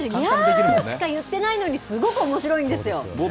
ヤー！しか言ってないのに、すごくおもしろいんですよ。